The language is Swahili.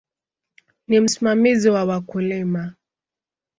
Ni msimamizi wa wakulima.